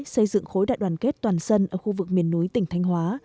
xây dựng khối đại đoàn kết toàn dân ở khu vực miền núi tỉnh thanh hóa